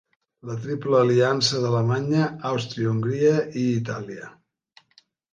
La triple aliança d'Alemanya, Àustria-Hongria i Itàlia.